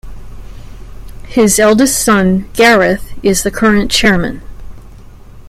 His eldest son, Gareth, is the current chairman.